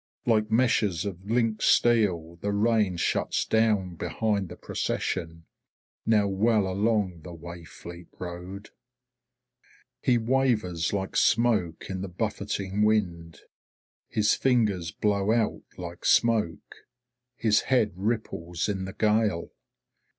Like meshes of linked steel the rain shuts down behind the procession, now well along the Wayfleet road. He wavers like smoke in the buffeting wind. His fingers blow out like smoke, his head ripples in the gale.